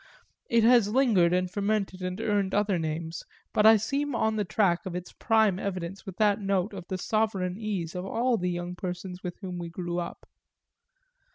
It has lingered and fermented and earned other names, but I seem on the track of its prime evidence with that note of the sovereign ease of all the young persons with whom we grew up.